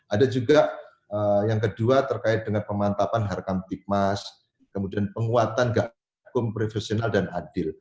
ada juga yang kedua terkait dengan pemantapan harkam tikmas kemudian penguatan hukum profesional dan adil